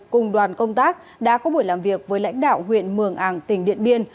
cùng đoàn công tác đã có buổi làm việc với lãnh đạo huyện mường ảng tỉnh điện biên